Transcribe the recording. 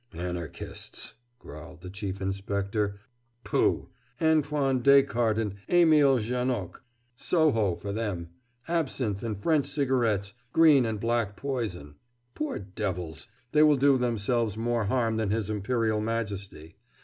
"Anarchists!" growled the Chief Inspector "Pooh! Antoine Descartes and Émile Janoc Soho for them absinthe and French cigarettes green and black poison. Poor devils! they will do themselves more harm than his Imperial Majesty.